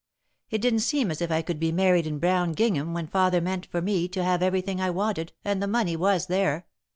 It didn't seem as if I could be married in brown gingham when father meant for me to have everything I wanted and the money was there."